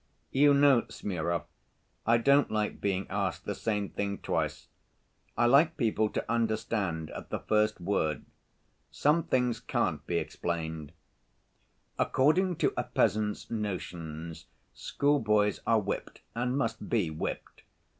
"You know, Smurov, I don't like being asked the same thing twice. I like people to understand at the first word. Some things can't be explained. According to a peasant's notions, schoolboys are whipped, and must be whipped.